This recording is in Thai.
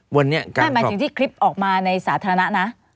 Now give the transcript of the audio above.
หมายถึงที่คลิปออกมาในสาธารณะนะ